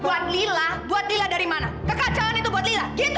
alah udah nggak usah ngeles